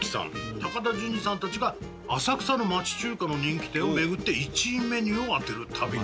高田純次さんたちが浅草の町中華の人気店を巡って１位メニューを当てる旅に。